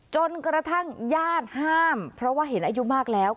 จนกระทั่งญาติห้ามเพราะว่าเห็นอายุมากแล้ว